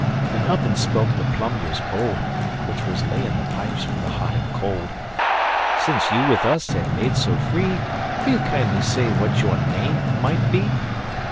Then up and spoke the plumbyers bold, Which was laying the pipes for the hot and cold: 'Since you with us have made so free, Will you kindly say what your name might be?